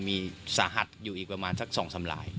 มีสาหัสอยู่อีกประมาณสัก๒สำลาย